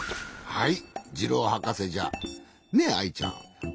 はい。